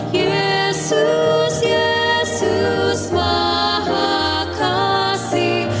yesus yesus maha kasih